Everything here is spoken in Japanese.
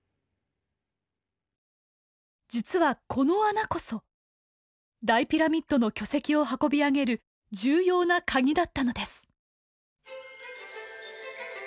実はこの穴こそ大ピラミッドの巨石を運び上げる重要なカギだったのです。